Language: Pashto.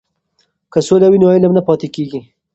که سوله وي نو علم نه پاتې کیږي.